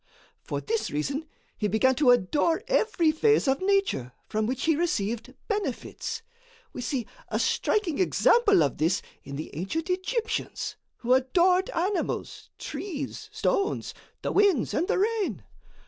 For this reason he began to adore every phase of nature from which he received benefits. We see a striking example of this in the ancient Egyptians, who adored animals, trees, stones, the winds and the rain.